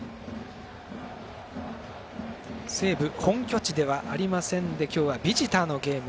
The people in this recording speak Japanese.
西武本拠地ではありませんで今日はビジターのゲーム。